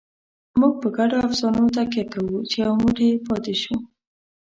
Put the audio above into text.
موږ په ګډو افسانو تکیه کوو، چې یو موټی پاتې شو.